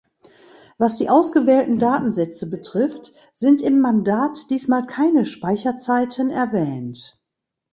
Was die ausgewählten Datensätze betrifft, sind im Mandat diesmal keine Speicherzeiten erwähnt.